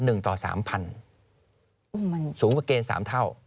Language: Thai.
สูงกว่าเกณฑ์๓เท่า